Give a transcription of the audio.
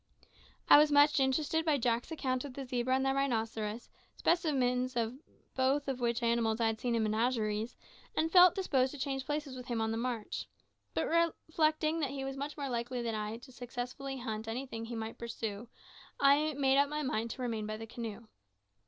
I was much interested by Jack's account of the zebra and the rhinoceros, specimens of both of which animals I had seen in menageries, and felt disposed to change places with him on the march; but reflecting that he was much more likely than I successfully to hunt anything he might pursue, I made up my mind to remain by the canoe.